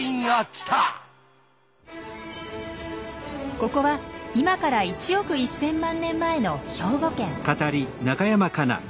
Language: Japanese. ここは今から１億１千万年前の兵庫県。